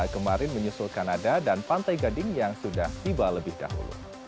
kemarin menyusul kanada dan pantai gading yang sudah tiba lebih dahulu